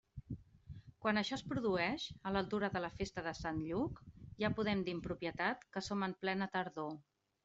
Quan això es produeix, a l'altura de la festa de Sant Lluc, ja podem dir amb propietat que som en plena tardor.